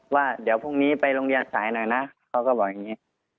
ว่าเดี๋ยวพรุ่งนี้ไปโรงเรียนสายหน่อยนะเขาก็บอกอย่างนี้